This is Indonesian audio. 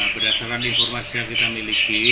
berdasarkan informasi yang kita miliki